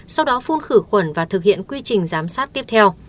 sau đó phun khử khuẩn và thực hiện quy trình giám sát tiếp theo